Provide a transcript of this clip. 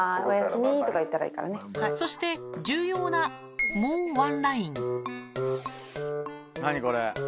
そして重要なもうワンライン何？